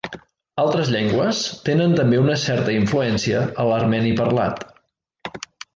Altres llengües tenen també una certa influència a l'armeni parlat.